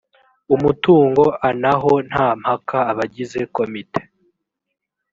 umutungo anaho nta mpaka abagize komite